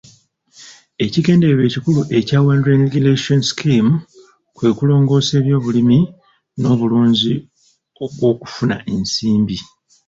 Ekigendererwa ekikulu ekya Wanderai irrigation scheme kwe kulongoosa eby'obulimi n'obulunzi okw'okufuna ensimbi.